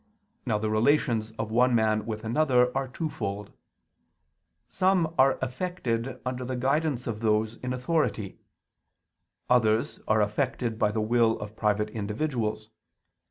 Now the relations of one man with another are twofold: some are effected under the guidance of those in authority: others are effected by the will of private individuals.